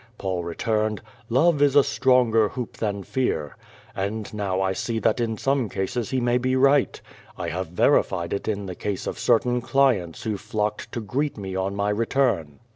Paul returned: *'Love is a stronger hoop than fear/' And now I see that in some cases he may be right. I have verified it in the case of cer tain clients who flocked to greet me on my return.